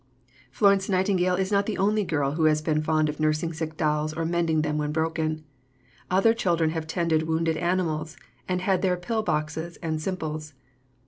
Florence Nightingale is not the only little girl who has been fond of nursing sick dolls or mending them when broken. Other children have tended wounded animals and had their pill boxes and simples.